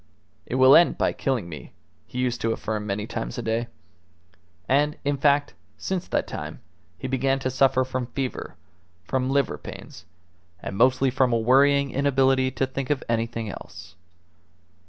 "It will end by killing me," he used to affirm many times a day. And, in fact, since that time he began to suffer from fever, from liver pains, and mostly from a worrying inability to think of anything else.